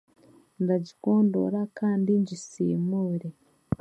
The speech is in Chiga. Ndagikondora kandi ngisimuure.